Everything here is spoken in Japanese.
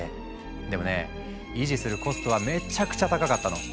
でもね維持するコストはめちゃくちゃ高かったの。